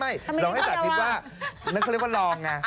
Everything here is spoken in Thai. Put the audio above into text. ไม่ลองให้สาธิตว่านั่นคือเรียกว่าลองอ่ะ